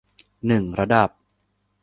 หนึ่ง ระดับ